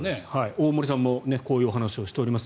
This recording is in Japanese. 大森さんもこういうお話をしています。